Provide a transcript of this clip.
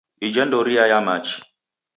Ija ndoria ya machi